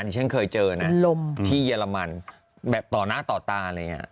ที่ฉันเคยเจอนะที่เยอรมันแบบต่อหน้าต่อตาเลย